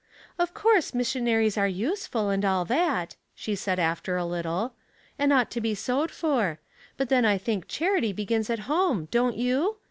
" Of course missionaries are useful, and all that," she said, after a little, "and ought to be sewed for ; but then I think charity begins at home, don't you